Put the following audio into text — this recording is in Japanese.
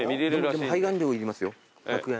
拝観料いりますよ１００円。